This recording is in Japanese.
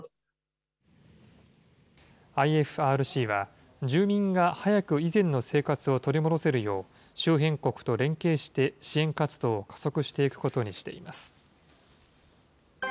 ＩＦＲＣは、住民が早く以前の生活を取り戻せるよう、周辺国と連携して支援活動を加速していくことにしています。